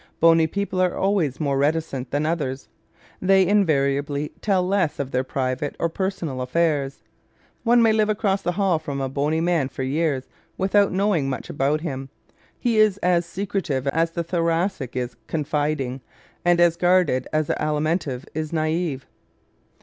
Bony people are always more reticent than others. They invariably tell less of their private or personal affairs. One may live across the hall from a bony man for years without knowing much about him. He is as secretive as the Thoracic is confiding and as guarded as the Alimentive is naive.